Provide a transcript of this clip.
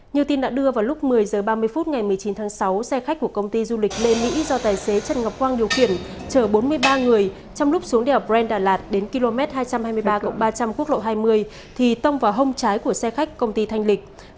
như tin đã đưa vào lúc một mươi h ba mươi phút ngày một mươi chín tháng sáu xe khách của công ty du lịch lê mỹ do tài xế trần ngọc quang điều khiển chở bốn mươi ba người trong lúc xuống đèo brent đà lạt đến km hai trăm hai mươi ba ba trăm linh quốc lộ hai mươi thì tông vào hông trái của xe khách công ty thanh lịch